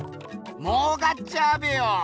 もうかっちゃうべよ。